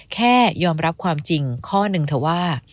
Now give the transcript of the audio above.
แค่ยอมรับความจริงข้อหนึ่งเถอะว่า